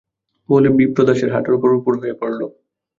বলে বিপ্রদাসের হাঁটুর উপর উপুড় হয়ে পড়ল।